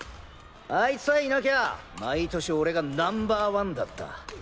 あいつさえいなきゃ毎年俺がナンバーワンだった。